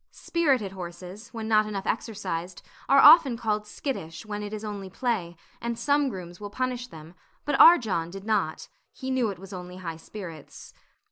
Spirited horses, when not enough exercised, are often called skittish, when it is only play; and some grooms will punish them, but our John did not; he knew it was only high spirits.